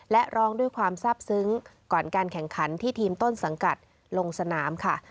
และร้องด้วยความทราบซึ้งก่อนการแข่งขันที่ทีมต้นสังกัดลงสนามค่ะ